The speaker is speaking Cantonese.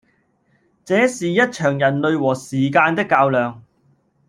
這是一場人類和時間的較量